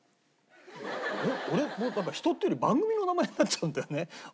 俺なんか人っていうより番組の名前になっちゃうんだよね。